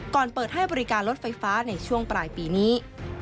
เปิดให้บริการรถไฟฟ้าในช่วงปลายปีนี้